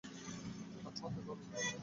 তার মাথা গরম।